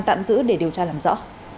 tạm giữ để điều tra làm rõ